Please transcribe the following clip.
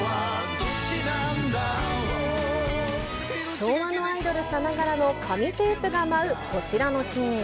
昭和のアイドルさながらの紙テープが舞うこちらのシーン。